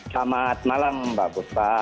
selamat malam mbak busta